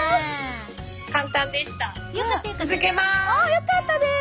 よかったです！